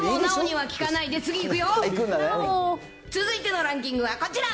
続いてのランキングはこちら。